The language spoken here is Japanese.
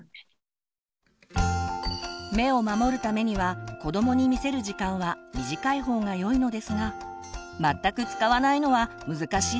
目を守るためには子どもに見せる時間は短い方がよいのですが全く使わないのは難しいですよね。